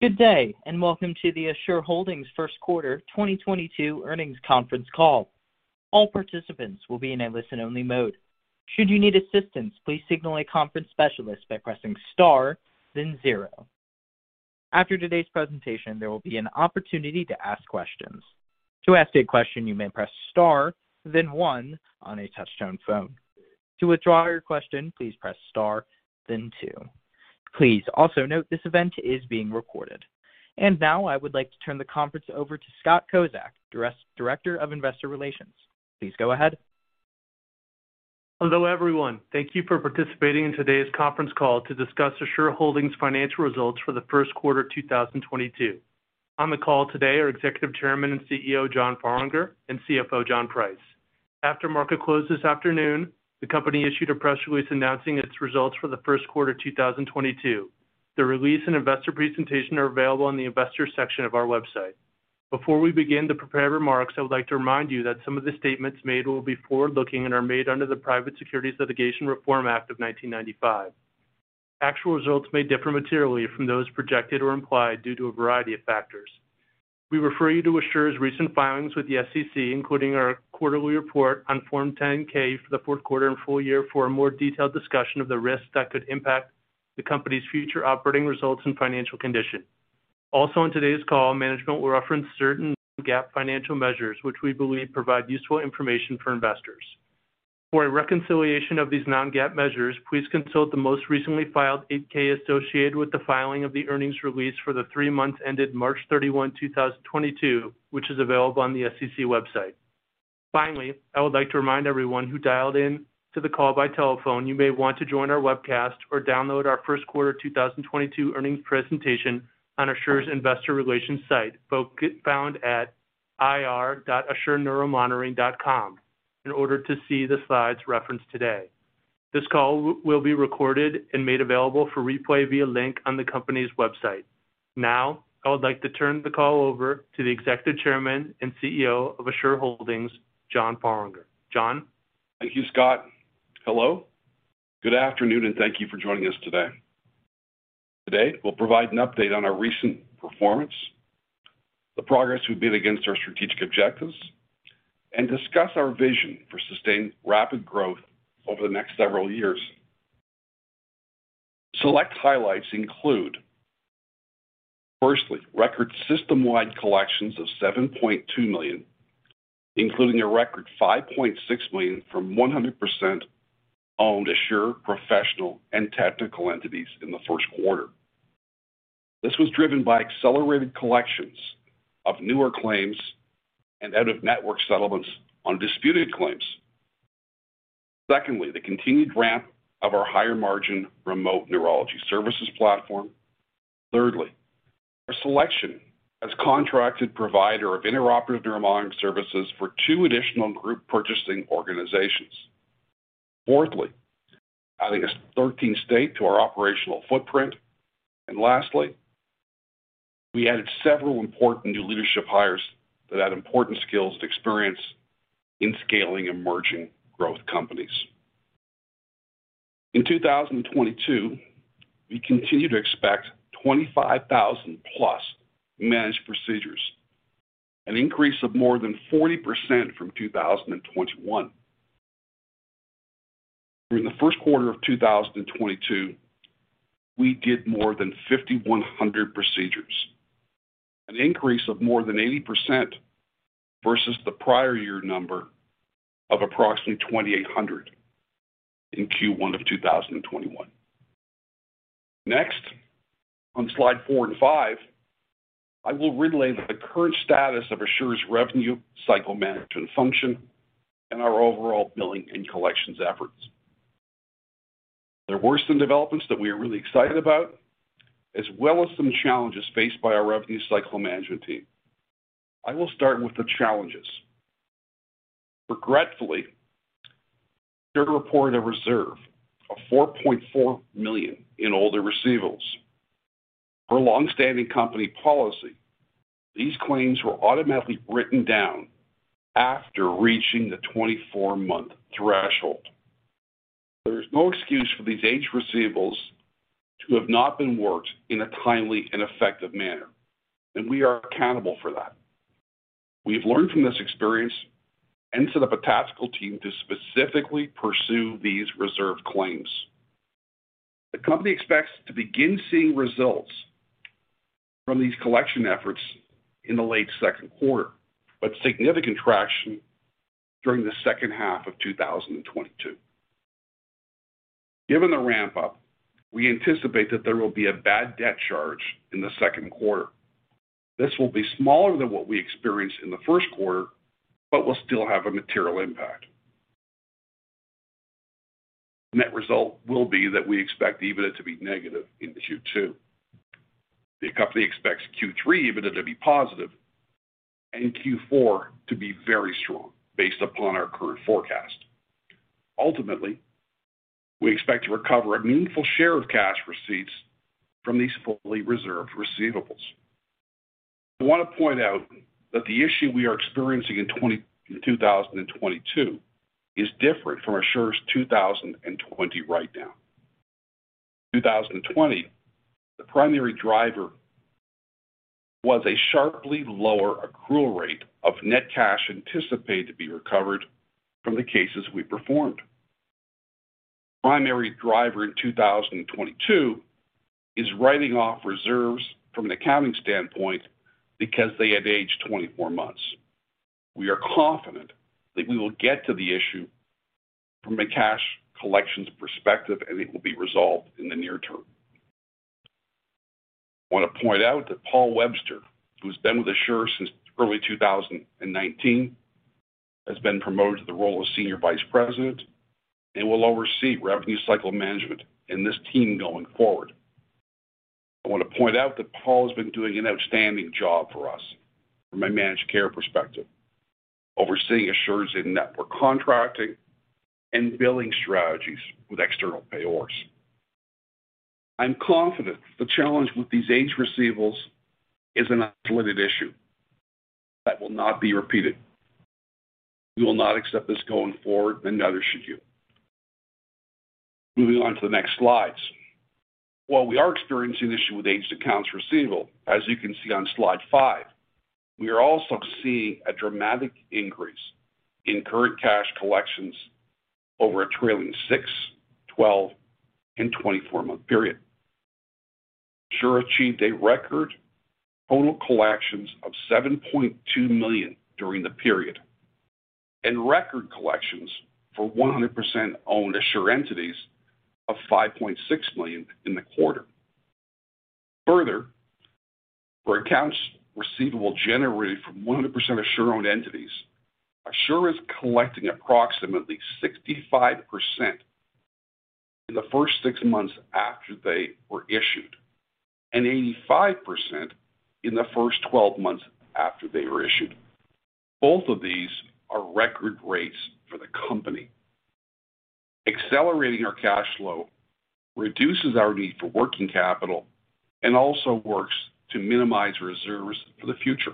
Good day, and welcome to the Assure Holdings First Quarter 2022 Earnings Conference Call. All participants will be in a listen-only mode. Should you need assistance, please signal a conference specialist by pressing star, then zero. After today's presentation, there will be an opportunity to ask questions. To ask a question, you may press star, then one on a touch-tone phone. To withdraw your question, please press star, then two. Please also note this event is being recorded. Now, I would like to turn the conference over to Scott Kozak, Director of Investor Relations. Please go ahead. Hello, everyone. Thank you for participating in today's conference call to discuss Assure Holdings financial results for the first quarter of 2022. On the call today are Executive Chairman and CEO, John Farlinger, and CFO, John Price. After market close this afternoon, the company issued a press release announcing its results for the first quarter 2022. The release and investor presentation are available on the investor section of our website. Before we begin the prepared remarks, I would like to remind you that some of the statements made will be forward-looking and are made under the Private Securities Litigation Reform Act of 1995. Actual results may differ materially from those projected or implied due to a variety of factors. We refer you to Assure's recent filings with the SEC, including our quarterly report on Form 10-K for the fourth quarter and full year for a more detailed discussion of the risks that could impact the company's future operating results and financial condition. Also in today's call, management will reference certain GAAP financial measures, which we believe provide useful information for investors. For a reconciliation of these non-GAAP measures, please consult the most recently filed 8-K associated with the filing of the earnings release for the three months ended March 31, 2022, which is available on the SEC website. Finally, I would like to remind everyone who dialed in to the call by telephone, you may want to join our webcast or download our first quarter 2022 earnings presentation on Assure's investor relations site, found at ir.assureneuromonitoring.com, in order to see the slides referenced today. This call will be recorded and made available for replay via link on the company's website. Now, I would like to turn the call over to the Executive Chairman and CEO of Assure Holdings, John Farlinger. John. Thank you, Scott. Hello, good afternoon, and thank you for joining us today. Today, we'll provide an update on our recent performance, the progress we've made against our strategic objectives, and discuss our vision for sustained rapid growth over the next several years. Select highlights include, firstly, record system-wide collections of $7.2 million, including a record $5.6 million from 100% owned Assure professional and technical entities in the first quarter. This was driven by accelerated collections of newer claims and out-of-network settlements on disputed claims. Secondly, the continued ramp of our higher-margin remote neurology services platform. Thirdly, our selection as contracted provider of intraoperative neuromonitoring services for two additional group purchasing organizations. Fourthly, adding a thirteenth state to our operational footprint. Lastly, we added several important new leadership hires that add important skills to experience in scaling emerging growth companies. In 2022, we continue to expect 25,000+ managed procedures, an increase of more than 40% from 2021. During the first quarter of 2022, we did more than 5,100 procedures, an increase of more than 80% versus the prior year number of approximately 2,800 in Q1 of 2021. Next, on slide four and five, I will relay the current status of Assure's revenue cycle management function and our overall billing and collections efforts. There were some developments that we are really excited about, as well as some challenges faced by our revenue cycle management team. I will start with the challenges. Regretfully, Assure reported a reserve of $4.4 million in older receivables. Per longstanding company policy, these claims were automatically written down after reaching the 24-month threshold. There is no excuse for these aged receivables to have not been worked in a timely and effective manner, and we are accountable for that. We've learned from this experience and set up a tactical team to specifically pursue these reserved claims. The company expects to begin seeing results from these collection efforts in the late second quarter, but significant traction during the second half of 2022. Given the ramp-up, we anticipate that there will be a bad debt charge in the second quarter. This will be smaller than what we experienced in the first quarter, but will still have a material impact. Net result will be that we expect EBITDA to be negative in Q2. The company expects Q3 EBITDA to be positive and Q4 to be very strong based upon our current forecast. Ultimately, we expect to recover a meaningful share of cash receipts from these fully reserved receivables. I want to point out that the issue we are experiencing in 2022 is different from Assure's 2020 writedown. In 2020, the primary driver was a sharply lower accrual rate of net cash anticipated to be recovered from the cases we performed. Primary driver in 2022 is writing off reserves from an accounting standpoint because they have aged 24 months. We are confident that we will get to the issue from a cash collections perspective, and it will be resolved in the near term. I wanna point out that Paul Webster, who's been with Assure since early 2019, has been promoted to the role of Senior Vice President and will oversee revenue cycle management and this team going forward. I wanna point out that Paul has been doing an outstanding job for us from a managed care perspective, overseeing Assure's in-network contracting and billing strategies with external payers. I'm confident the challenge with these aged receivables is an isolated issue that will not be repeated. We will not accept this going forward, and neither should you. Moving on to the next slides. While we are experiencing issue with aged accounts receivable, as you can see on slide five, we are also seeing a dramatic increase in current cash collections over a trailing six-, 12-, and 24-month period. Assure achieved a record total collections of $7.2 million during the period, and record collections for 100%-owned Assure entities of $5.6 million in the quarter. Further, for accounts receivable generated from 100% Assure-owned entities, Assure is collecting approximately 65% in the first six months after they were issued, and 85% in the first twelve months after they were issued. Both of these are record rates for the company. Accelerating our cash flow reduces our need for working capital and also works to minimize reserves for the future.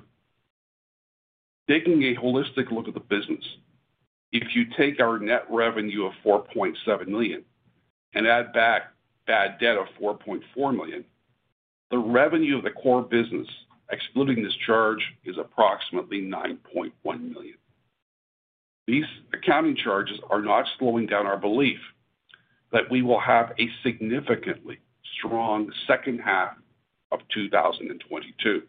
Taking a holistic look at the business, if you take our net revenue of $4.7 million and add back bad debt of $4.4 million, the revenue of the core business, excluding this charge, is approximately $9.1 million. These accounting charges are not slowing down our belief that we will have a significantly strong second half of 2022.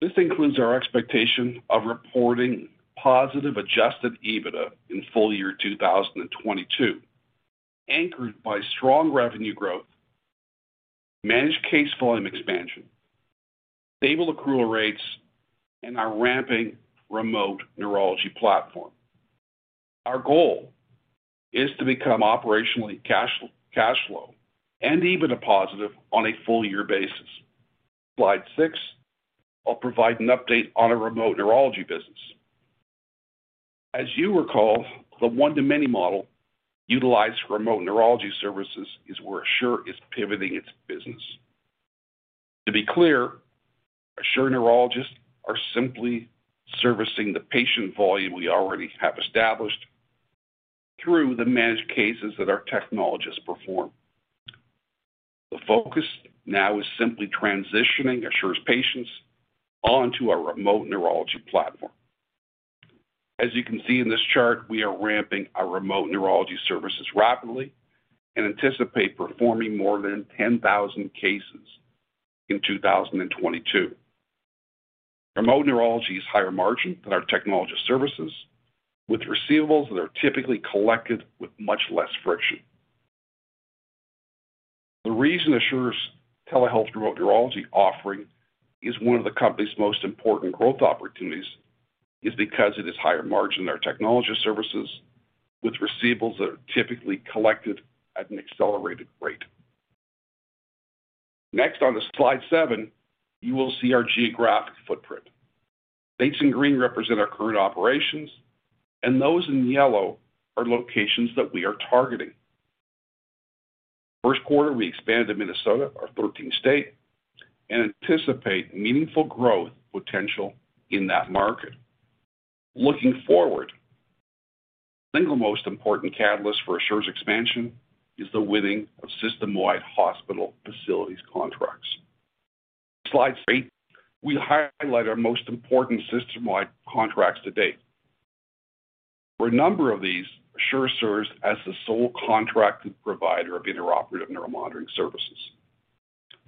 This includes our expectation of reporting positive adjusted EBITDA in full year 2022, anchored by strong revenue growth, managed case volume expansion, stable accrual rates, and our ramping remote neurology platform. Our goal is to become operationally cash flow and EBITDA positive on a full year basis. Slide six, I'll provide an update on our remote neurology business. As you recall, the 1-to-many model utilized for remote neurology services is where Assure is pivoting its business. To be clear, Assure neurologists are simply servicing the patient volume we already have established through the managed cases that our technologists perform. The focus now is simply transitioning Assure's patients onto our remote neurology platform. As you can see in this chart, we are ramping our remote neurology services rapidly and anticipate performing more than 10,000 cases in 2022. Remote neurology is higher margin than our technologist services with receivables that are typically collected with much less friction. The reason Assure's telehealth remote neurology offering is one of the company's most important growth opportunities is because it is higher margin than our technologist services with receivables that are typically collected at an accelerated rate. Next, on to slide seven, you will see our geographic footprint. States in green represent our current operations, and those in yellow are locations that we are targeting. First quarter, we expanded to Minnesota, our thirteenth state, and anticipate meaningful growth potential in that market. Looking forward, the single most important catalyst for Assure's expansion is the winning of system-wide hospital facilities contracts. Slide 8, we highlight our most important system-wide contracts to date. For a number of these, Assure serves as the sole contracted provider of intraoperative neuromonitoring services.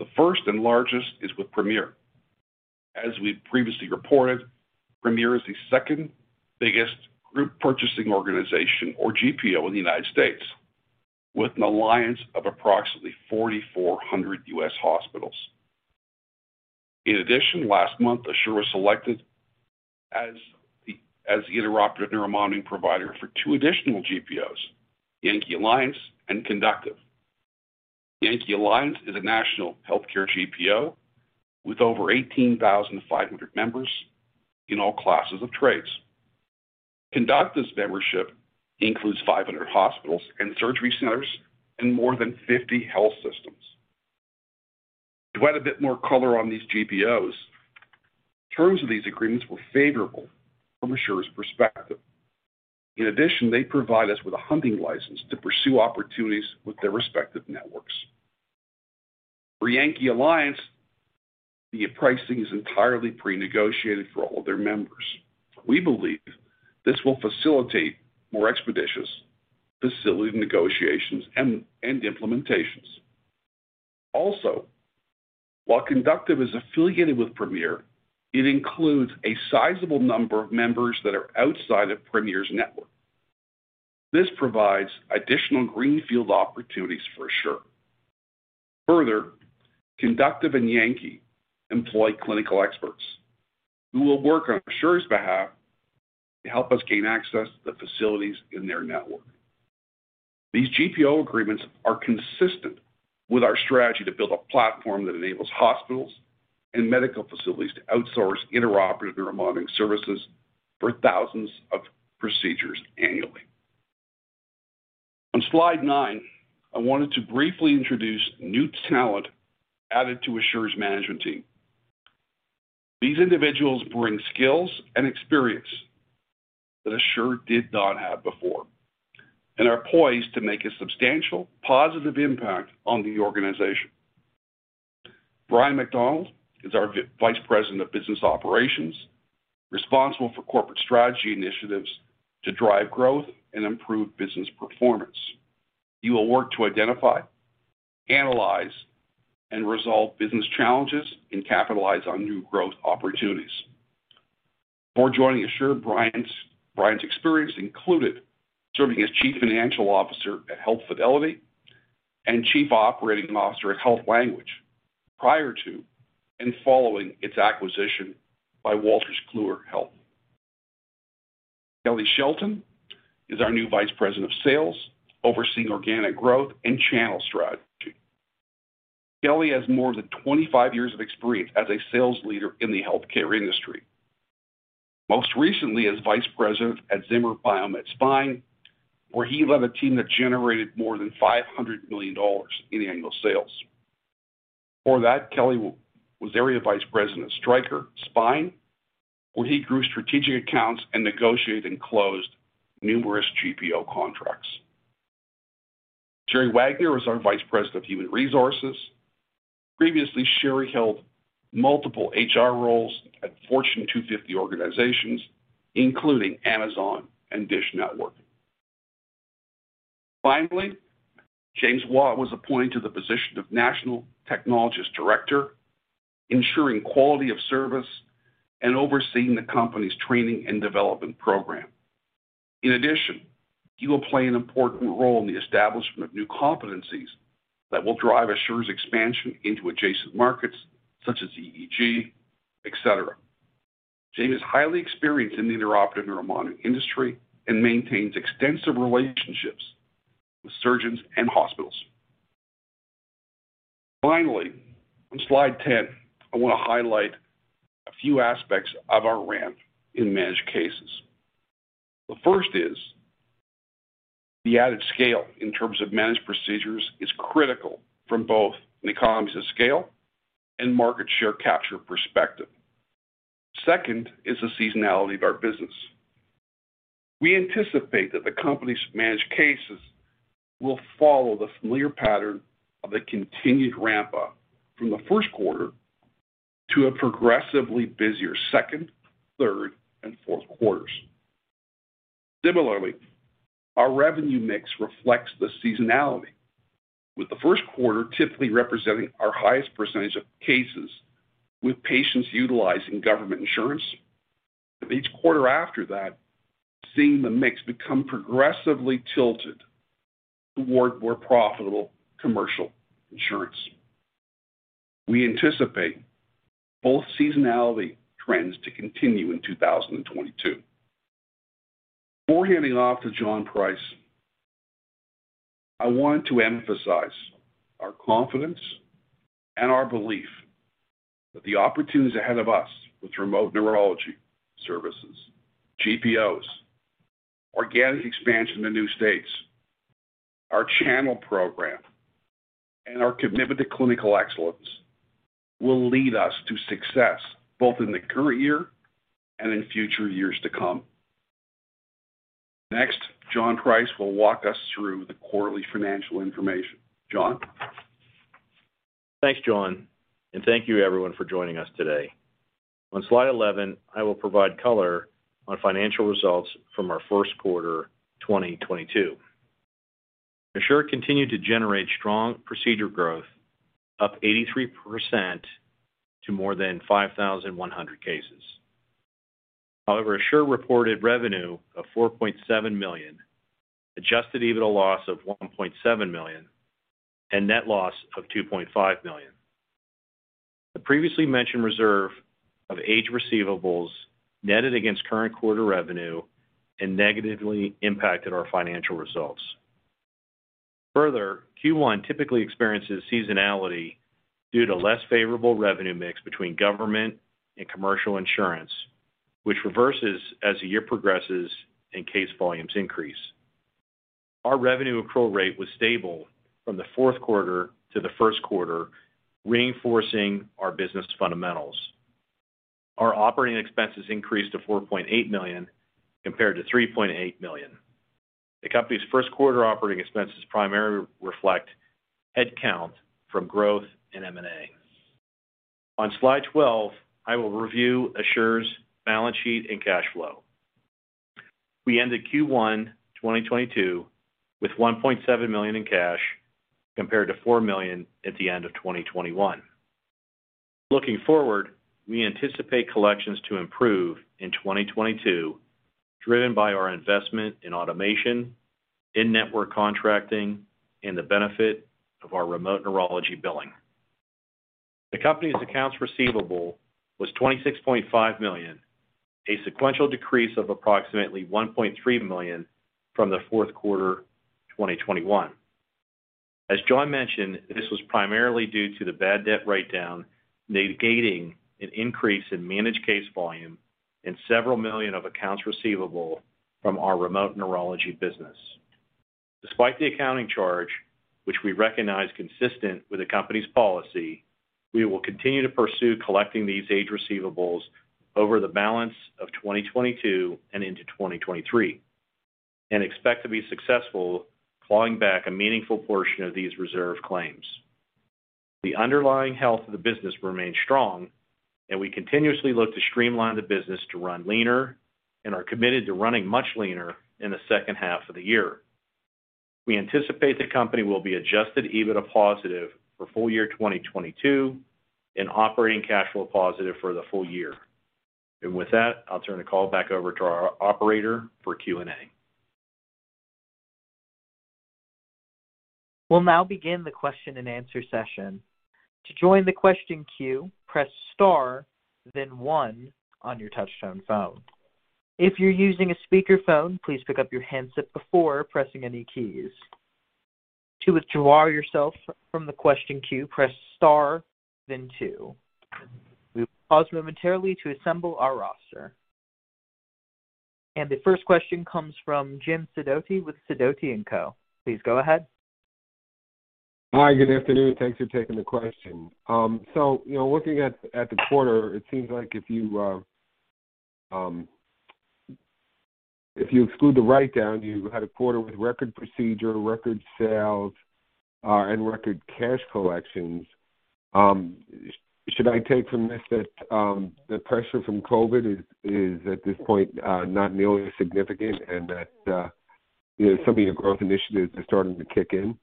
The first and largest is with Premier. As we previously reported, Premier is the second-biggest group purchasing organization or GPO in the United States with an alliance of approximately 4,400 U.S. hospitals. In addition, last month, Assure was selected as the intraoperative neuromonitoring provider for two additional GPOs, Yankee Alliance and Conductiv. Yankee Alliance is a national healthcare GPO with over 18,500 members in all classes of trades. Conductiv membership includes 500 hospitals and surgery centers and more than 50 health systems. To add a bit more color on these GPOs, terms of these agreements were favorable from Assure's perspective. In addition, they provide us with a hunting license to pursue opportunities with their respective networks. For Yankee Alliance, the pricing is entirely pre-negotiated for all their members. We believe this will facilitate more expeditious facility negotiations and implementations. Also, while Conductiv is affiliated with Premier, it includes a sizable number of members that are outside of Premier's network. This provides additional greenfield opportunities for Assure. Further, Conductiv and Yankee employ clinical experts who will work on Assure's behalf to help us gain access to the facilities in their network. These GPO agreements are consistent with our strategy to build a platform that enables hospitals and medical facilities to outsource intraoperative neuromonitoring services for thousands of procedures annually. On slide 9, I wanted to briefly introduce new talent added to Assure's management team. These individuals bring skills and experience that Assure did not have before and are poised to make a substantial positive impact on the organization. Brian McDonald is our vice president of business operations, responsible for corporate strategy initiatives to drive growth and improve business performance. He will work to identify, analyze, and resolve business challenges and capitalize on new growth opportunities. Before joining Assure, Brian's experience included serving as Chief Financial Officer at Health Fidelity and Chief Operating Officer at Health Language prior to and following its acquisition by Wolters Kluwer Health. Kelly Shelton is our new Vice President of Sales, overseeing organic growth and channel strategy. Kelly has more than 25 years of experience as a sales leader in the healthcare industry. Most recently as Vice President at Zimmer Biomet Spine, where he led a team that generated more than $500 million in annual sales. Before that, Kelly was area vice president of Stryker Spine, where he grew strategic accounts and negotiated and closed numerous GPO contracts. Sherri Wagner is our Vice President of Human Resources. Previously, Sherri held multiple HR roles at Fortune 250 organizations, including Amazon and Dish Network. Finally, James Watt was appointed to the position of National Technologist Director, ensuring quality of service and overseeing the company's training and development program. In addition, he will play an important role in the establishment of new competencies that will drive Assure's expansion into adjacent markets such as EEG, et cetera. James is highly experienced in the intraoperative neuromonitoring industry and maintains extensive relationships with surgeons and hospitals. Finally, on slide 10, I wanna highlight a few aspects of our ramp in managed cases. The first is the added scale in terms of managed procedures is critical from both an economies of scale and market share capture perspective. Second is the seasonality of our business. We anticipate that the company's managed cases will follow the familiar pattern of a continued ramp up from the first quarter to a progressively busier second, third, and fourth quarters. Similarly, our revenue mix reflects the seasonality, with the first quarter typically representing our highest percentage of cases with patients utilizing government insurance. With each quarter after that, seeing the mix become progressively tilted toward more profitable commercial insurance. We anticipate both seasonality trends to continue in 2022. Before handing off to John Price, I want to emphasize our confidence and our belief that the opportunities ahead of us with remote neurology services, GPOs, organic expansion in new states, our channel program, and our commitment to clinical excellence will lead us to success both in the current year and in future years to come. Next, John Price will walk us through the quarterly financial information. John. Thanks, John, and thank you everyone for joining us today. On slide eleven, I will provide color on financial results from our first quarter 2022. Assure continued to generate strong procedure growth, up 83% to more than 5,100 cases. However, Assure reported revenue of $4.7 million, adjusted EBITDA loss of $1.7 million, and net loss of $2.5 million. The previously mentioned reserve of aged receivables netted against current quarter revenue and negatively impacted our financial results. Further, Q1 typically experiences seasonality due to less favorable revenue mix between government and commercial insurance, which reverses as the year progresses and case volumes increase. Our revenue accrual rate was stable from the fourth quarter to the first quarter, reinforcing our business fundamentals. Our operating expenses increased to $4.8 million compared to $3.8 million. The company's first quarter operating expenses primarily reflect headcount from growth in M&A. On slide 12, I will review Assure's balance sheet and cash flow. We ended Q1 2022 with $1.7 million in cash compared to $4 million at the end of 2021. Looking forward, we anticipate collections to improve in 2022, driven by our investment in automation, in-network contracting, and the benefit of our remote neurology billing. The company's accounts receivable was $26.5 million, a sequential decrease of approximately $1.3 million from Q4 2021. As John mentioned, this was primarily due to the bad debt write-down, negating an increase in managed case volume and several million of accounts receivable from our remote neurology business. Despite the accounting charge, which we recognize consistent with the company's policy, we will continue to pursue collecting these aged receivables over the balance of 2022 and into 2023 and expect to be successful clawing back a meaningful portion of these reserve claims. The underlying health of the business remains strong, and we continuously look to streamline the business to run leaner and are committed to running much leaner in the second half of the year. We anticipate the company will be adjusted EBITDA positive for full year 2022 and operating cash flow positive for the full year. With that, I'll turn the call back over to our operator for Q&A. We'll now begin the question-and-answer session. To join the question queue, press star then one on your touchtone phone. If you're using a speakerphone, please pick up your handset before pressing any keys. To withdraw yourself from the question queue, press star then two. We will pause momentarily to assemble our roster. The first question comes from Jim Sidoti with Sidoti & Co. Please go ahead. Hi, good afternoon. Thanks for taking the question. So, you know, looking at the quarter, it seems like if you exclude the write-down, you had a quarter with record procedure, record sales, and record cash collections. Should I take from this that the pressure from COVID is at this point not nearly as significant and that, you know, some of your growth initiatives are starting to kick in?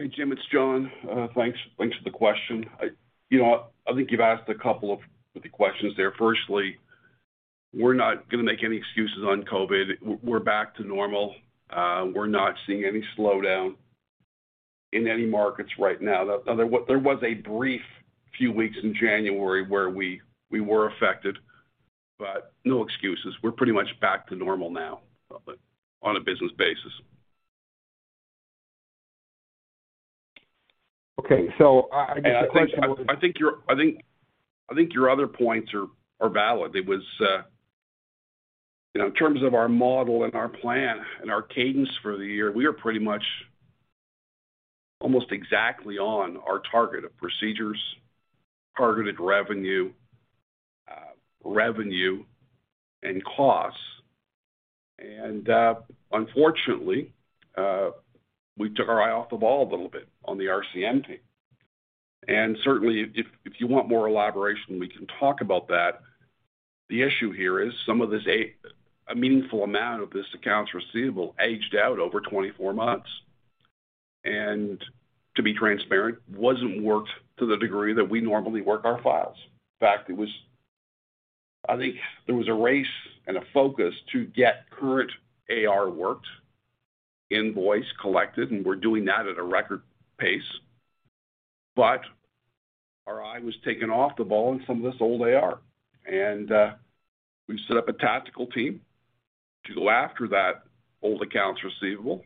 Hey, Jim, it's John. Thanks for the question. You know, I think you've asked a couple of the questions there. Firstly, we're not gonna make any excuses on COVID. We're back to normal. We're not seeing any slowdown in any markets right now. There was a brief few weeks in January where we were affected, but no excuses. We're pretty much back to normal now on a business basis. Okay. I guess the question was. I think your other points are valid. You know, in terms of our model and our plan and our cadence for the year, we are pretty much almost exactly on our target of procedures, targeted revenue, and costs. Unfortunately, we took our eye off the ball a little bit on the RCM team. Certainly if you want more elaboration, we can talk about that. The issue here is some of this, a meaningful amount of this accounts receivable aged out over 24 months, and to be transparent, wasn't worked to the degree that we normally work our files. In fact, I think there was a race and a focus to get current AR worked, invoice collected, and we're doing that at a record pace. Our eye was taken off the ball on some of this old AR. We've set up a tactical team to go after that old accounts receivable.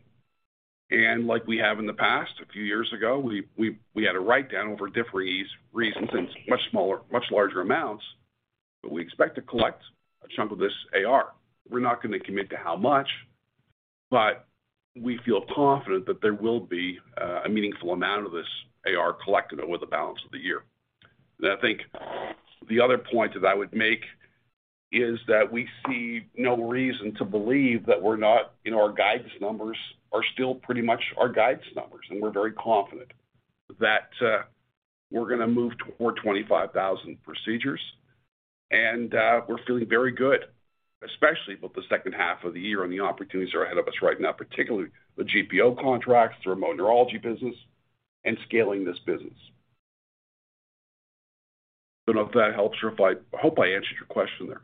Like we have in the past, a few years ago, we had a write-down over different reasons and much larger amounts, but we expect to collect a chunk of this AR. We're not gonna commit to how much, but we feel confident that there will be a meaningful amount of this AR collected over the balance of the year. I think the other point that I would make is that we see no reason to believe that we're not. You know, our guidance numbers are still pretty much our guidance numbers, and we're very confident that we're gonna move toward 25,000 procedures. We're feeling very good, especially with the second half of the year and the opportunities are ahead of us right now, particularly the GPO contracts, the remote neurology business, and scaling this business. Don't know if that helps. I hope I answered your question there.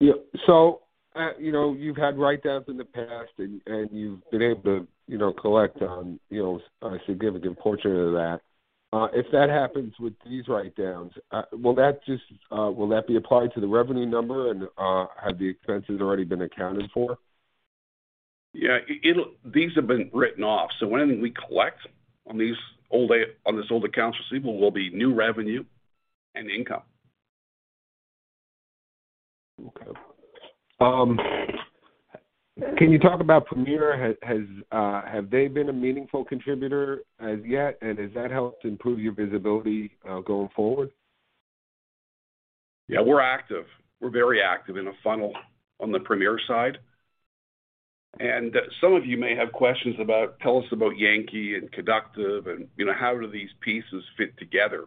Yeah, you know, you've had write-downs in the past and you've been able to, you know, collect, you know, a significant portion of that, if that happens with these write-downs, will that just be applied to the revenue number and have the expenses already been accounted for? These have been written off, so anything we collect on these old accounts receivable will be new revenue and income. Okay. Can you talk about Premier? Have they been a meaningful contributor as yet, and has that helped improve your visibility, going forward? Yeah. We're active. We're very active in the funnel on the Premier side. Some of you may have questions about. Tell us about Yankee and Conductiv and, you know, how do these pieces fit together.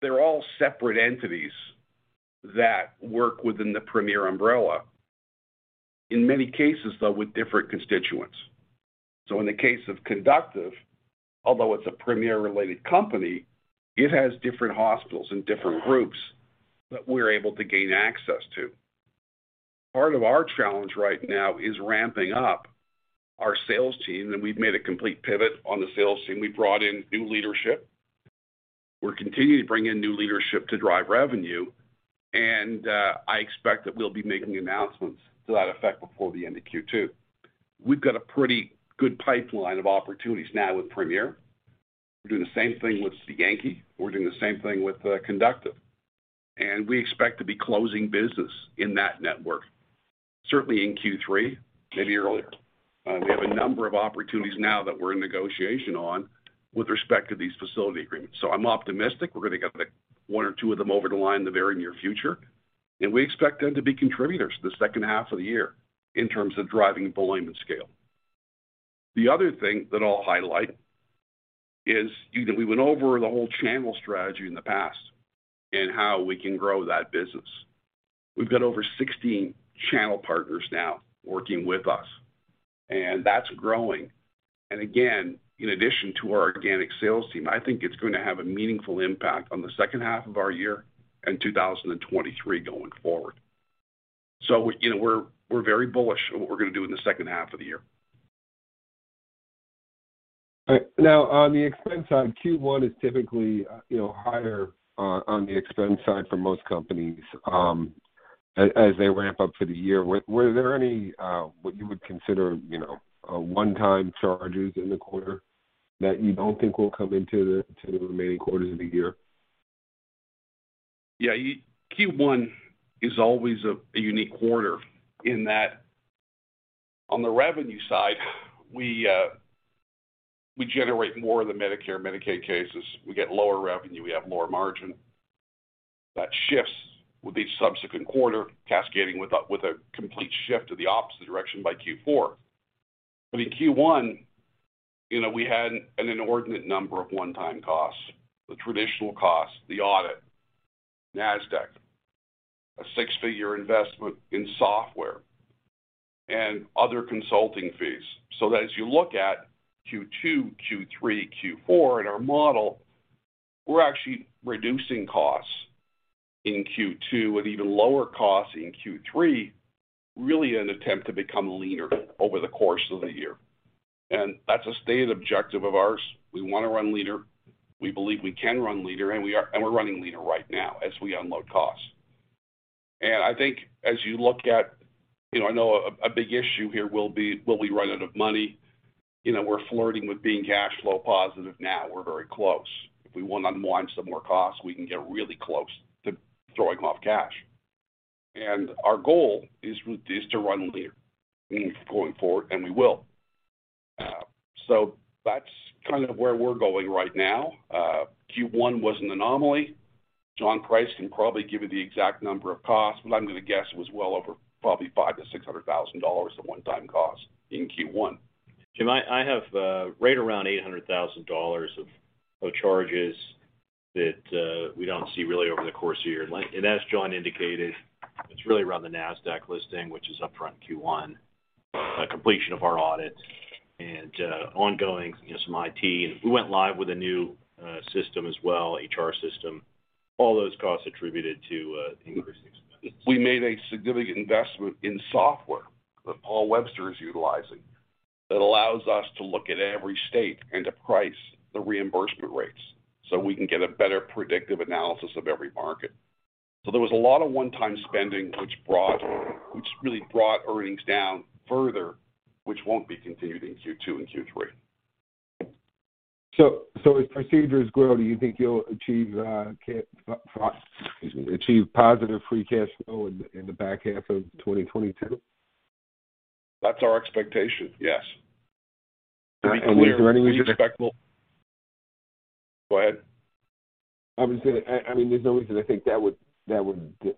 They're all separate entities that work within the Premier umbrella, in many cases, though, with different constituents. In the case of Conductiv, although it's a Premier-related company, it has different hospitals and different groups that we're able to gain access to. Part of our challenge right now is ramping up our sales team, and we've made a complete pivot on the sales team. We've brought in new leadership. We're continuing to bring in new leadership to drive revenue, and I expect that we'll be making announcements to that effect before the end of Q2. We've got a pretty good pipeline of opportunities now with Premier. We're doing the same thing with Yankee. We're doing the same thing with Conductiv. We expect to be closing business in that network certainly in Q3, maybe earlier. We have a number of opportunities now that we're in negotiation on with respect to these facility agreements. I'm optimistic we're gonna get one or two of them over the line in the very near future, and we expect them to be contributors the second half of the year in terms of driving volume and scale. The other thing that I'll highlight is, you know, we went over the whole channel strategy in the past and how we can grow that business. We've got over 16 channel partners now working with us, and that's growing. Again, in addition to our organic sales team, I think it's gonna have a meaningful impact on the second half of our year and 2023 going forward. You know, we're very bullish on what we're gonna do in the second half of the year. All right. Now, on the expense side, Q1 is typically, you know, higher on the expense side for most companies, as they ramp up for the year. Were there any, what you would consider, you know, one-time charges in the quarter that you don't think will come into the remaining quarters of the year? Yeah. Q1 is always a unique quarter in that on the revenue side we generate more of the Medicare, Medicaid cases. We get lower revenue. We have lower margin. That shifts with each subsequent quarter, cascading with a complete shift to the opposite direction by Q4. In Q1, you know, we had an inordinate number of one-time costs. The traditional costs, the audit, Nasdaq, a six-figure investment in software and other consulting fees. That as you look at Q2, Q3, Q4 in our model, we're actually reducing costs in Q2 with even lower costs in Q3, really in an attempt to become leaner over the course of the year. That's a stated objective of ours. We wanna run leaner. We believe we can run leaner, and we're running leaner right now as we unload costs. I think as you look at. You know, I know a big issue here will be, will we run out of money? You know, we're flirting with being cash flow positive now. We're very close. If we wanna unwind some more costs, we can get really close to throwing off cash. Our goal is to run leaner going forward, and we will. So that's kind of where we're going right now. Q1 was an anomaly. John Price can probably give you the exact number of costs, but I'm gonna guess it was well over probably $500,000-$600,000 of one-time costs in Q1. Jim, I have right around $800,000 of charges that we don't see really over the course of the year. As John indicated, it's really around the Nasdaq listing, which is upfront Q1, completion of our audit and ongoing, you know, some IT. We went live with a new system as well, HR system. All those costs attributed to increased expenses. We made a significant investment in software that Paul Webster is utilizing that allows us to look at every state and to price the reimbursement rates so we can get a better predictive analysis of every market. There was a lot of one-time spending which really brought earnings down further, which won't be continued in Q2 and Q3. As procedures grow, do you think you'll achieve positive free cash flow in the back half of 2022? That's our expectation, yes. Is there any reason? To be clear and respectful. Go ahead. I mean, there's no reason I think that would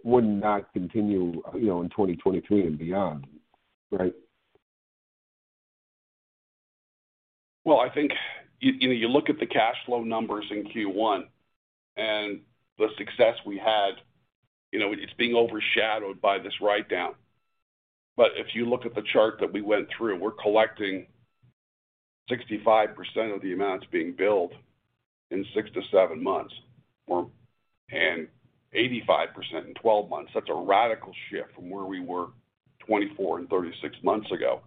wouldn't not continue, you know, in 2023 and beyond, right? Well, I think, you know, you look at the cash flow numbers in Q1 and the success we had, you know, it's being overshadowed by this writedown. If you look at the chart that we went through, we're collecting 65% of the amounts being billed in six-seven months, and 85% in 12 months. That's a radical shift from where we were 24 and 36 months ago.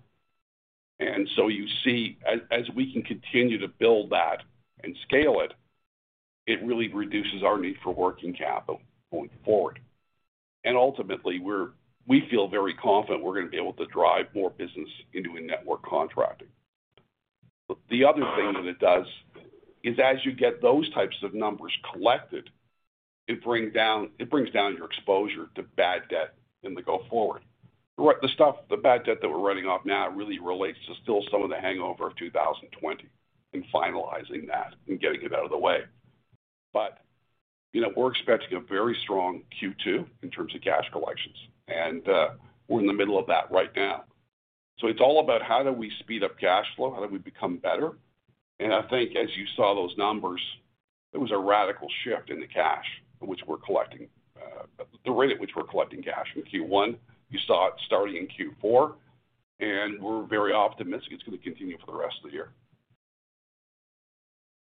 You see as we can continue to build that and scale it really reduces our need for working capital going forward. Ultimately, we feel very confident we're gonna be able to drive more business into a network contracting. The other thing that it does is as you get those types of numbers collected, it brings down your exposure to bad debt in the going forward. The stuff, the bad debt that we're writing off now really relates to still some of the hangover of 2020 and finalizing that and getting it out of the way. You know, we're expecting a very strong Q2 in terms of cash collections, and we're in the middle of that right now. It's all about how do we speed up cash flow, how do we become better. I think as you saw those numbers, it was a radical shift in the cash which we're collecting, the rate at which we're collecting cash in Q1. You saw it starting in Q4, and we're very optimistic it's gonna continue for the rest of the year.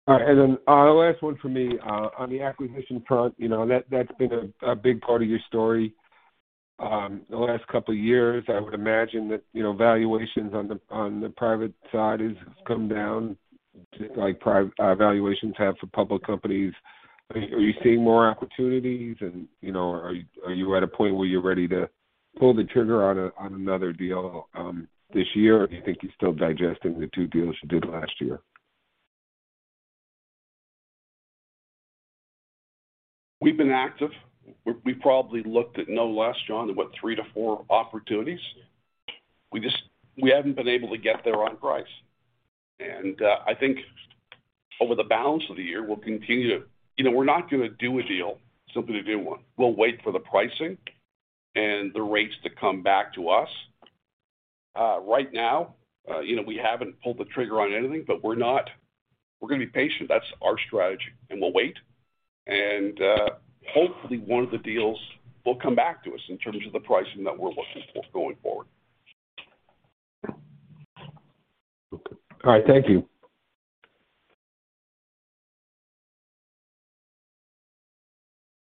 All right. The last one for me on the acquisition front, you know, that's been a big part of your story the last couple of years. I would imagine that, you know, valuations on the private side has come down just like valuations have for public companies. Are you seeing more opportunities? You know, are you at a point where you're ready to pull the trigger on another deal this year? Or do you think you're still digesting the two deals you did last year? We've been active. We probably looked at no less, John, than what? three-four opportunities. We just. We haven't been able to get there on price. I think over the balance of the year, we'll continue to you know, we're not gonna do a deal simply to do one. We'll wait for the pricing and the rates to come back to us. Right now, you know, we haven't pulled the trigger on anything, but we're gonna be patient. That's our strategy, and we'll wait. Hopefully one of the deals will come back to us in terms of the pricing that we're looking for going forward. Okay. All right. Thank you.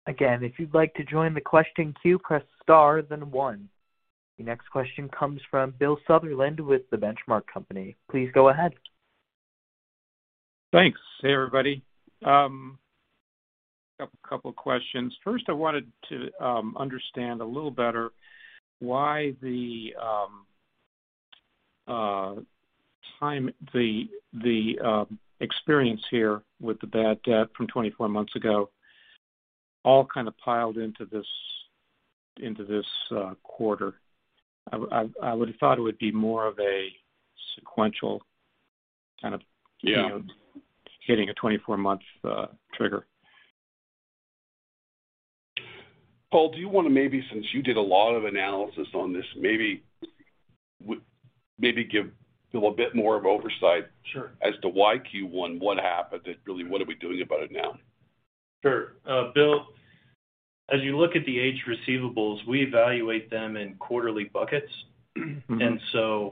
Again, if you'd like to join the question queue, press star then one. The next question comes from Bill Sutherland with The Benchmark Company. Please go ahead. Thanks. Hey, everybody. Couple of questions. First, I wanted to understand a little better why the experience here with the bad debt from 24 months ago all kind of piled into this quarter. I would have thought it would be more of a sequential kind of Yeah. You know, hitting a 24-month trigger. Paul, do you wanna maybe, since you did a lot of analysis on this, maybe give Bill a bit more of overview? Sure. as to why Q1, what happened, and really what are we doing about it now? Sure. Bill, as you look at the aged receivables, we evaluate them in quarterly buckets. Mm-hmm.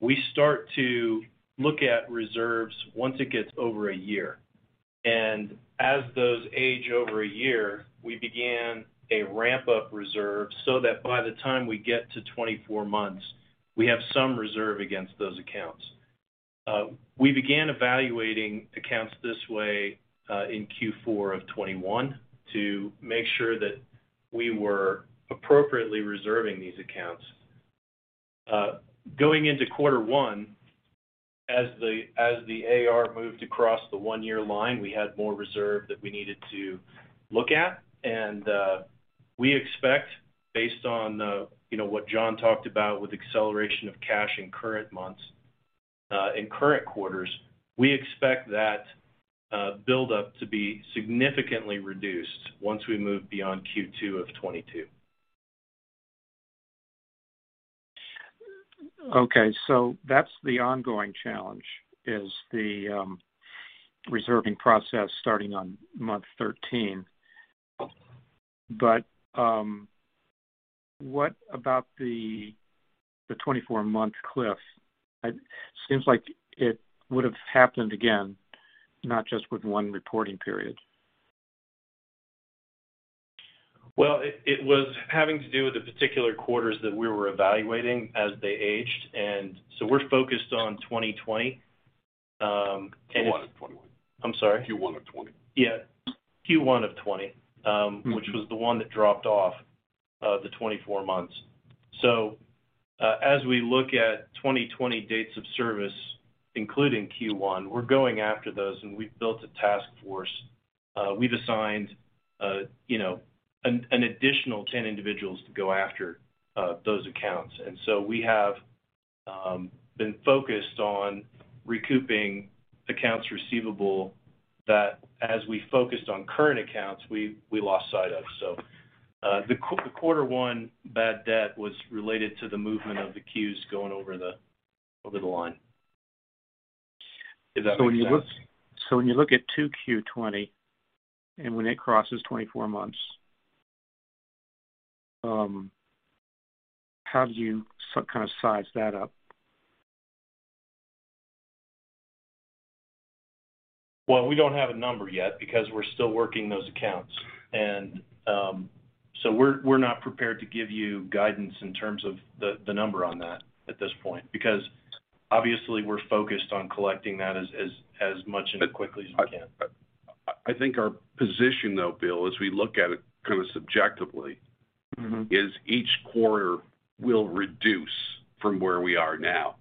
We start to look at reserves once it gets over a year. As those age over a year, we began a ramp-up reserve so that by the time we get to 24 months, we have some reserve against those accounts. We began evaluating accounts this way in Q4 of 2021 to make sure that we were appropriately reserving these accounts. Going into quarter one, as the AR moved across the one-year line, we had more reserve that we needed to look at. We expect based on you know what John talked about with acceleration of cash in current months in current quarters we expect that buildup to be significantly reduced once we move beyond Q2 of 2022. Okay. That's the ongoing challenge, is the reserving process starting on month 13. What about the 24-month cliff? It seems like it would have happened again, not just with one reporting period. Well, it was having to do with the particular quarters that we were evaluating as they aged. We're focused on 2020, and- Q1 of 2020. I'm sorry? Q1 of 2020. Yeah. Q1 of 2020. Mm-hmm. which was the one that dropped off, the 24 months. As we look at 2020 dates of service, including Q1, we're going after those, and we've built a task force. We've assigned, you know, an additional 10 individuals to go after those accounts. We have been focused on recouping accounts receivable that, as we focused on current accounts, we lost sight of. The Q1 bad debt was related to the movement of the queues going over the line. Does that make sense? When you look at 2Q 2020, and when it crosses 24 months. How do you kind of size that up? Well, we don't have a number yet because we're still working those accounts. We're not prepared to give you guidance in terms of the number on that at this point, because obviously we're focused on collecting that as much and quickly as we can. I think our position, though, Bill, as we look at it kind of subjectively, is each quarter will reduce from where we are now.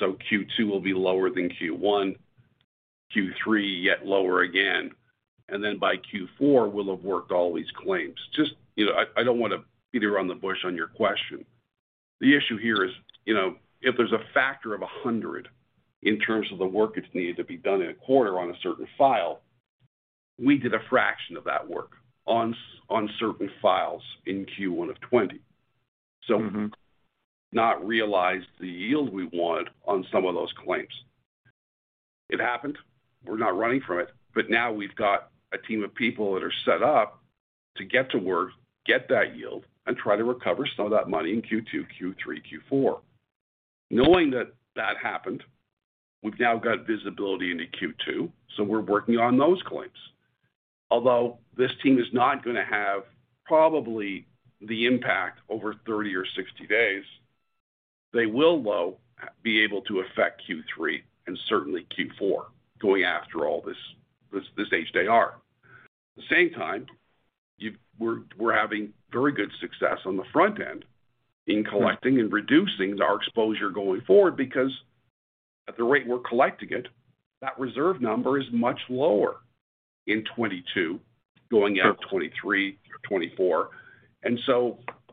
Q2 will be lower than Q1. Q3, yet lower again. By Q4, we'll have worked all these claims. Just, you know, I don't wanna beat around the bush on your question. The issue here is, you know, if there's a factor of 100 in terms of the work that's needed to be done in a quarter on a certain file, we did a fraction of that work on certain files in Q1 of 2020. We didn't realize the yield we want on some of those claims. It happened. We're not running from it. Now we've got a team of people that are set up to get to work, get that yield, and try to recover some of that money in Q2, Q3, Q4. Knowing that that happened, we've now got visibility into Q2, so we're working on those claims. Although this team is not gonna have probably the impact over 30 or 60 days, they will, though, be able to affect Q3 and certainly Q4 going after all this aged AR. At the same time, we're having very good success on the front end in collecting and reducing our exposure going forward because at the rate we're collecting it, that reserve number is much lower in 2022, going into 2023 or 2024.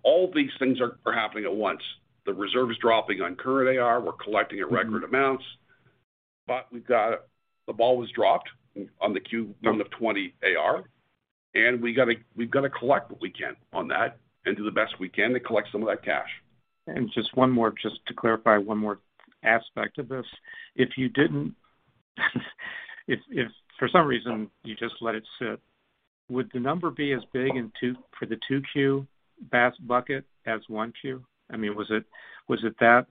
All these things are happening at once. The reserve is dropping on current AR. We're collecting at record amounts. We've got the ball was dropped on the Q1 of 2020 AR, and we've gotta collect what we can on that and do the best we can to collect some of that cash. Just one more to clarify one more aspect of this. If for some reason you just let it sit, would the number be as big for the two Q bucket as one Q? I mean, was it that?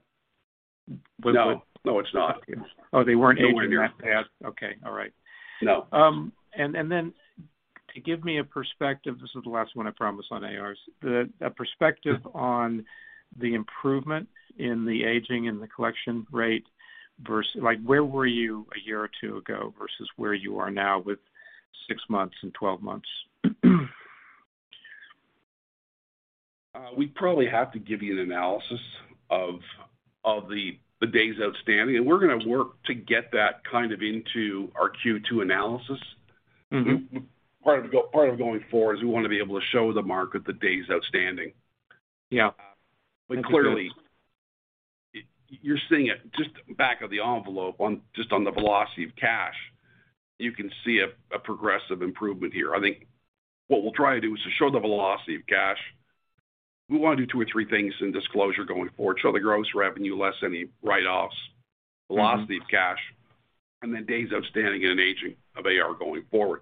No. No, it's not. Oh, they weren't aging that bad. Okay. All right. No. Then to give me a perspective, this is the last one, I promise, on ARs. The perspective on the improvement in the aging and the collection rate versus like, where were you a year or two years ago versus where you are now with six months and 12 months? We probably have to give you an analysis of the days outstanding. We're gonna work to get that kind of into our Q2 analysis. Mm-hmm. Part of going forward is we wanna be able to show the market the days outstanding. Yeah. Clearly, you're seeing it just back of the envelope on the velocity of cash. You can see a progressive improvement here. I think what we'll try to do is to show the velocity of cash. We wanna do two or three things in disclosure going forward, show the gross revenue less any write-offs, velocity of cash, and then days outstanding and aging of AR going forward.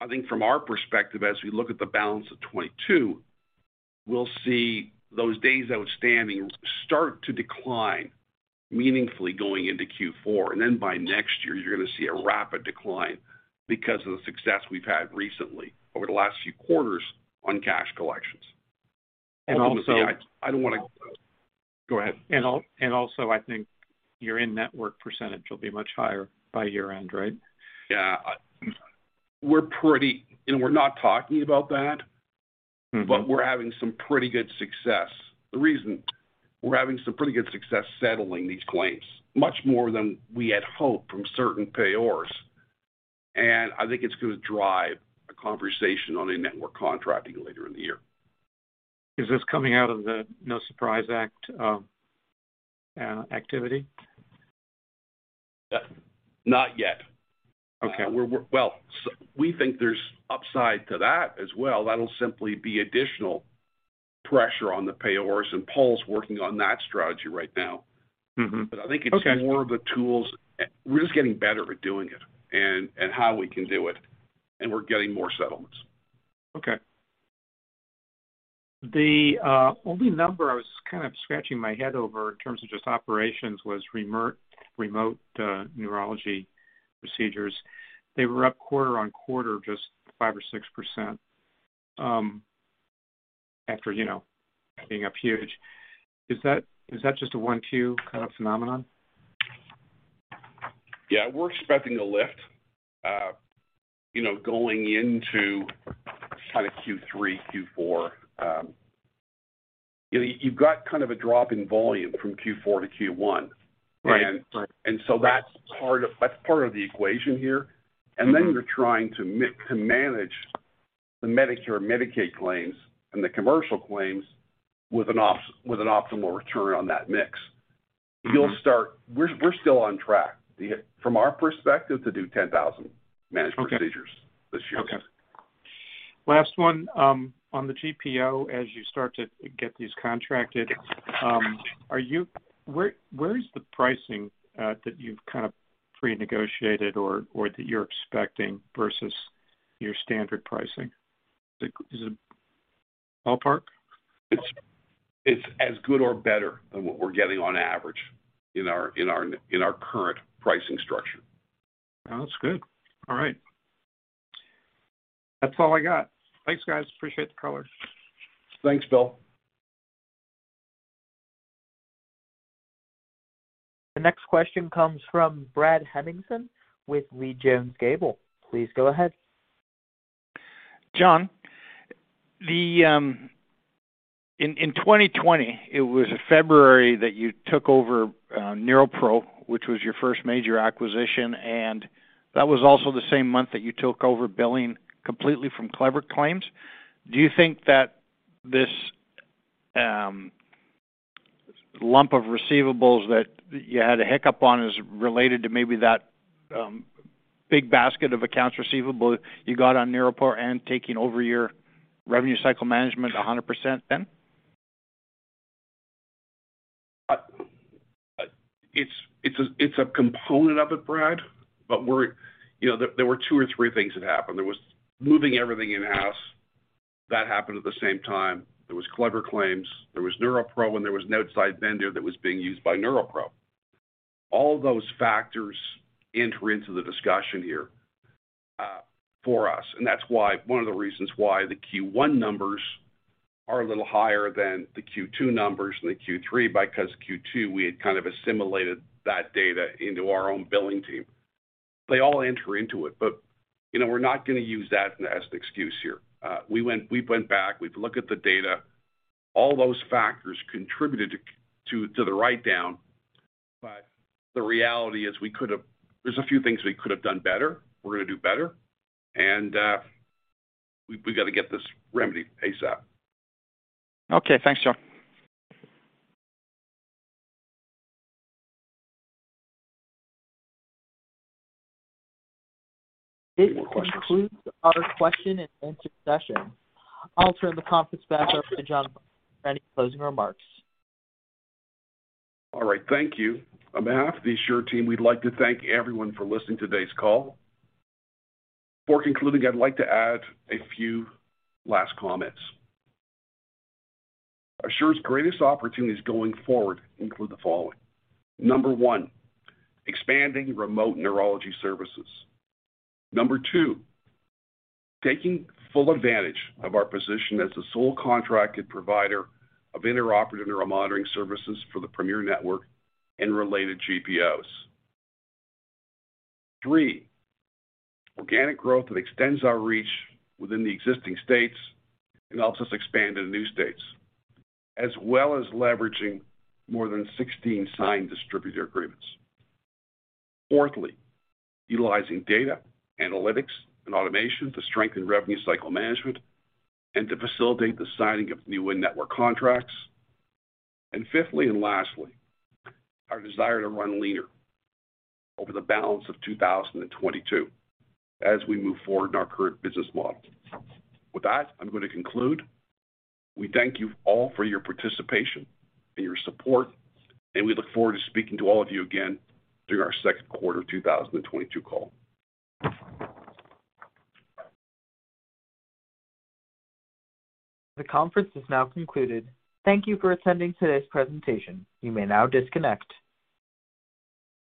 I think from our perspective, as we look at the balance of 2022, we'll see those days outstanding start to decline meaningfully going into Q4. Then by next year, you're gonna see a rapid decline because of the success we've had recently over the last few quarters on cash collections. Also, I think your in-network percentage will be much higher by year-end, right? Yeah. We're pretty. You know, we're not talking about that. Mm-hmm. But we're having some pretty good success. The reason we're having some pretty good success settling these claims, much more than we had hoped from certain payers. I think it's gonna drive a conversation on a network contracting later in the year. Is this coming out of the No Surprises Act activity? Not yet. Okay. Well, we think there's upside to that as well. That'll simply be additional pressure on the payers, and Paul's working on that strategy right now. Mm-hmm. Okay. I think it's more of the tools. We're just getting better at doing it and how we can do it, and we're getting more settlements. Okay. The only number I was kind of scratching my head over in terms of just operations was remote neurology procedures. They were up quarter-over-quarter, just five or 6%, after you know being up huge. Is that just a one-Q kind of phenomenon? Yeah, we're expecting a lift, you know, going into kind of Q3, Q4. You've got kind of a drop in volume from Q4 to Q1. Right. That's part of the equation here. Mm-hmm. Then you're trying to manage the Medicare/Medicaid claims and the commercial claims with an optimal return on that mix. Mm-hmm. We're still on track from our perspective to do 10,000 managed procedures this year. Okay. Last one, on the GPO, as you start to get these contracted, where is the pricing that you've kinda Pre-negotiated or that you're expecting versus your standard pricing. Is it ballpark? It's as good or better than what we're getting on average in our current pricing structure. That's good. All right. That's all I got. Thanks, guys. Appreciate the color. Thanks, Bill. The next question comes from Brad Hemmingsen with Leede Jones Gable. Please go ahead. John, in 2020, it was February that you took over Neuro-Pro, which was your first major acquisition, and that was also the same month that you took over billing completely from Clever Claims. Do you think that this lump of receivables that you had a hiccup on is related to maybe that big basket of accounts receivable you got on Neuro-Pro and taking over your revenue cycle management 100% then? It's a component of it, Brad, but we're, you know, there were two or three things that happened. There was moving everything in-house. That happened at the same time. There was Clever Claims. There was Neuro-Pro, and there was an outside vendor that was being used by Neuro-Pro. All those factors enter into the discussion here, for us, and that's why one of the reasons why the Q1 numbers are a little higher than the Q2 numbers and the Q3 because Q2, we had kind of assimilated that data into our own billing team. They all enter into it, but, you know, we're not gonna use that as an excuse here. We went back. We've looked at the data. All those factors contributed to the write-down, but the reality is we could have. There's a few things we could have done better, we're gonna do better, and we've got to get this remedy ASAP. Okay. Thanks, John. This concludes our question-and-answer session. I'll turn the conference back over to John for any closing remarks. All right. Thank you. On behalf of the Assure team, we'd like to thank everyone for listening to today's call. Before concluding, I'd like to add a few last comments. Assure's greatest opportunities going forward include the following. Number one, expanding remote neurology services. Number two, taking full advantage of our position as the sole contracted provider of intraoperative neuromonitoring services for the Premier Network and related GPOs. three, organic growth that extends our reach within the existing states and helps us expand to new states, as well as leveraging more than 16 signed distributor agreements. Fourthly, utilizing data, analytics, and automation to strengthen revenue cycle management and to facilitate the signing of new in-network contracts. Fifthly and lastly, our desire to run leaner over the balance of 2022 as we move forward in our current business model. With that, I'm going to conclude. We thank you all for your participation and your support, and we look forward to speaking to all of you again during our second quarter of 2022 call. The conference has now concluded. Thank you for attending today's presentation. You may now disconnect.